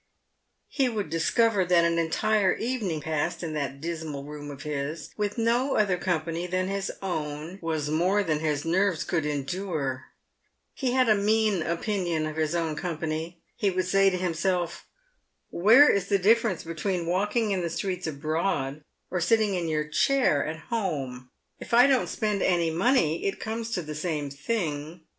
He would discover that an entire evening passed in that dismal room of his, with no other company than his own, was more than his nerves' could endure. He had a mean opinion of his own company. He would say to himself, " Where is the difference between walking in the streets abroad, or sitting in your chair at home ? If I don't spend any money it comes to the same thing.